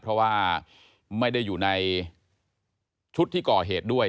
เพราะว่าไม่ได้อยู่ในชุดที่ก่อเหตุด้วย